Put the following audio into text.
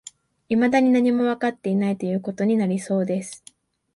未だに何もわかっていない、という事になりそうです